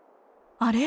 あれ？